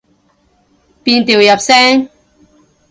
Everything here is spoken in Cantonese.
變調入聲